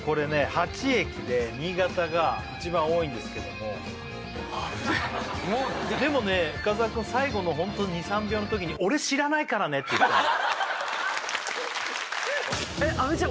８駅で新潟が一番多いんですけども危ねえっでもね深澤くん最後のホント２３秒の時に「俺知らないからね」って言ったのえっ阿部ちゃん